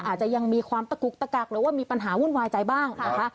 อาจจะยังมีความตะกุกตะกักหรือว่ามีปัญหาวุ่นวายใจบ้างนะคะ